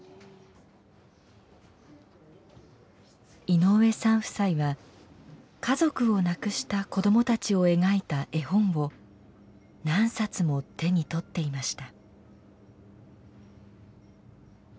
井上さん夫妻は家族をなくした子どもたちを描いた絵本を何冊も手に取っていました。